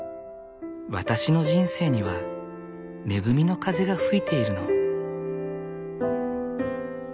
「私の人生には恵みの風が吹いているの」。